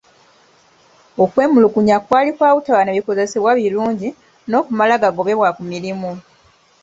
Okwemulugunya kwali kwa butaba na bikozesebwa birungi n'okumala gagobebwa ku mirimu.